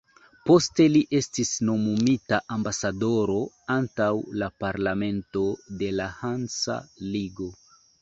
Poste li estis nomumita ambasadoro antaŭ la parlamento de la Hansa ligo.